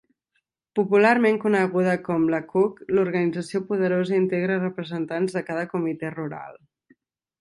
Popularment coneguda com "la Kuk", l'organització poderosa integra representants de cada comitè rural.